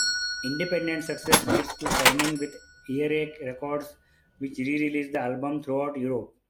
Independent success lead to signing with Earache Records which re-released the album throughout Europe.